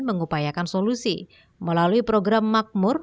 mengupayakan solusi melalui program makmur